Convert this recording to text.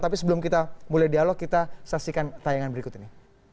tapi sebelum kita mulai dialog kita saksikan tayangan berikut ini